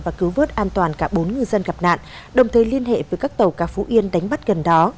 và cứu vớt an toàn cả bốn ngư dân gặp nạn đồng thời liên hệ với các tàu cá phú yên đánh bắt gần đó